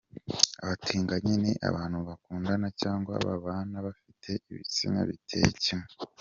Abatinganyi ni abantu bakundana cyangwa babana bafite ibitsina biteye kimwe.